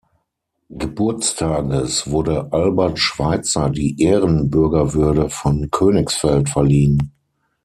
Geburtstages, wurde Albert Schweitzer die Ehrenbürgerwürde von Königsfeld verliehen.